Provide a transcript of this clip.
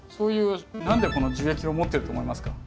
何でこの樹液を持ってると思いますか？